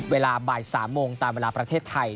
เวลาบ่าย๓โมงตามเวลาประเทศไทย